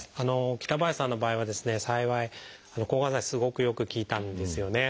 北林さんの場合はですね幸い抗がん剤がすごくよく効いたんですよね。